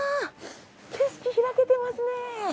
景色開けてますねえ。